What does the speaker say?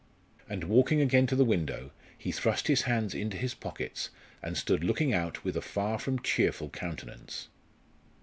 And walking again to the window, he thrust his hands into his pockets and stood looking out with a far from cheerful countenance.